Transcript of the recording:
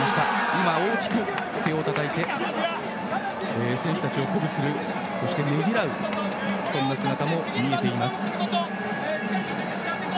今、大きく手をたたいて選手たちを鼓舞するそしてねぎらう姿も見えています。